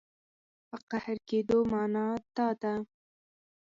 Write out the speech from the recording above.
په قهر کېدو معنا دا ده.